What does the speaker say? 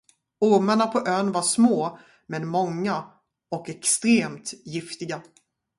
Ormarna på ön var små men många, och extremt giftiga.